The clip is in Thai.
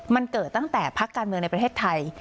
มันเกิดตั้งแต่พักการเมืองในประเทศไทย